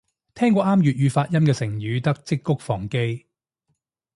聽過啱粵語發音嘅成語得織菊防基